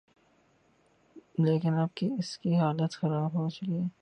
لیکن اب اس کی حالت خراب ہو چکی ہے۔